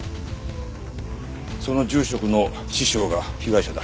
その住職の師匠が被害者だ。